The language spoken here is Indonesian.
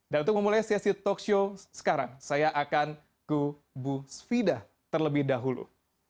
dan untuk memulai sesi talkshow sekarang saya akan ke bu svidah terlebih dahulu